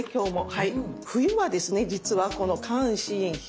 はい。